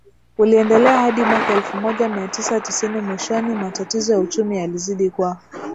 uliendelea hadi mwaka elfu moja mia tisa tisini Mwishoni matatizo ya uchumi yalizidi kwa